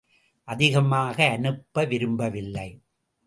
அதிகமாக அனுப்ப விரும்பவில்லை.